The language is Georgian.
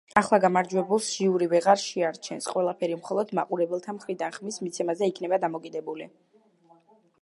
ახლა გამარჯვებულს ჟიური ვეღარ შეარჩევს. ყველაფერი მხოლოდ მაყურებელთა მხრიდან ხმის მიცემაზე იქნება დამოკიდებული.